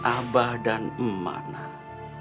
abah dan emak nak